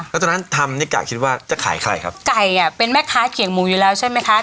แล้วตอนนั้นทำนี่ไก่คิดว่าจะขายใครครับไก่อ่ะเป็นแม่ค้าเขียงหมูอยู่แล้วใช่ไหมคะ